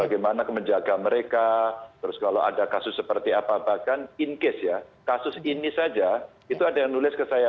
bagaimana menjaga mereka terus kalau ada kasus seperti apa bahkan in case ya kasus ini saja itu ada yang nulis ke saya